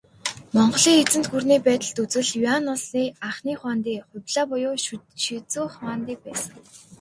Монголын эзэнт гүрний байдалд үзвэл, Юань улсын анхны хуанди Хубилай буюу Шизү хуанди байсан.